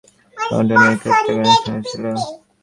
তিনি horticultural society of London এর secretary হয়েছিলেন।